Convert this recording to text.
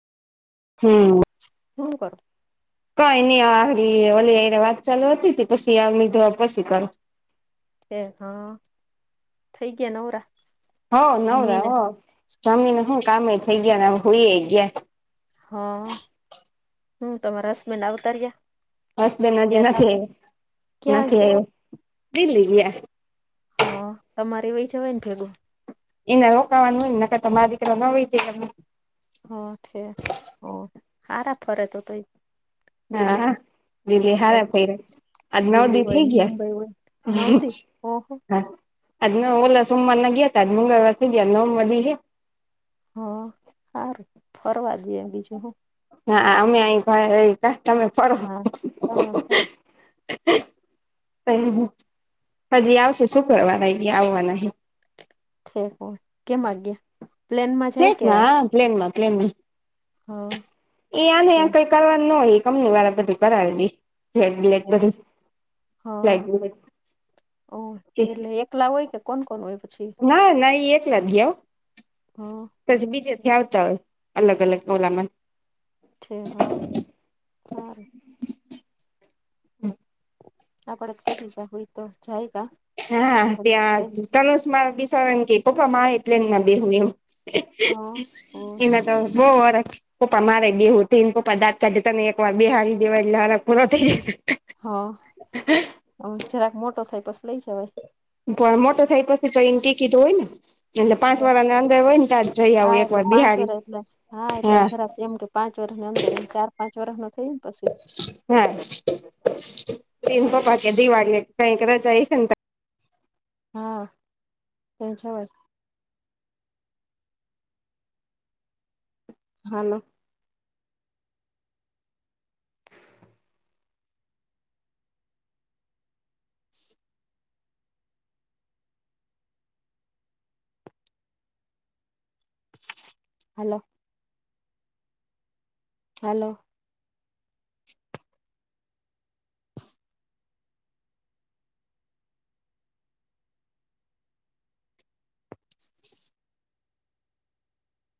હમ્મ હૂ કર કઈની ઓલીને વાત ચાલુ હતી હતી પછીમી પછી કર એ હા થઈ ગયા નરા હો નવરા હો જમીને શું કામે થઈ ગયા હોઈ એ ગયા હ હું તમા હસબેન્ડ આવતાર્યા હસ બેન હજી ગયા તા નથી આવ્યો ક્યાં નથી ગયા આવ્યો દિલ્લી ગયા હા તમારે વય જવાય ને ભેગું એને રોકાવાનું હોય ને તો મા દીકરો ન હોય જ હ છેઠ ઓ હારા ફરત હો તો દિલ્હી હા દિલી કઈ હારા પઈરે આજ નવ દિલ્હી દી હોય થઈ ને મુંબઈ હોય ગયા નવદી ઓહો હા અદ ન ઓલ સ સુમવા ના ગ્યા હતાદ મુંગળવારથી ગયા નવમદીી હ હ સારું ફરવા જઈએ બીજું હું ના અમે અમે ફ હા તમે ફર હજી આવશે શુ કરવાવાયા આવવાના છે કેમ વાગયા પ્લેનમાં જાય કે પ્લેન્માં પ્લેનમાં હા એ આને ઠેક કઈ કરવા ન હોય એ કમની વાળ બધું કરાવેલી ઠેક હા [unintelligible] પલા હોય કે કોણ કોણ હોય પછી ના નાહી એકલા ગ્યા હમ્મ પછી બીજે થી આવતા હોય અલગ અલગ ઓલામાં અચ્છ હા હ હમ્મ આપડ તો કેટું છે હોય તો જાય ક હા ત્યાં તનુસ મા બસને કે પપ્પા મારે પ્લેન મા બેવું એમ હા ઓ એના તો બહૂ હરક તો અમારે બેઉતો ને પદાર્ કઢી ને એક વાર બે હારી દેવાયલે પૂરો થઈ હા હ જરાક મોટો થાય બસ લઇ જવા પણ મોટો થાય પછી તો એને ટી કીધું હોય ને એટલે પાંચ ઠેક વાર ને અંદર હોય ને ત જઈ હા આવું એક એટલે વાર પાંચ બિહારી વર એટલે એટલે હા જરાક એમ કે પાંચ વર્ષની અંદર એમ ચાર પાંચ વર્ષ નો થઈ ને પછી હા તનો પા કે દી વાગલે કઈક જાય છે હા તેચ વ હાલો હલો હલો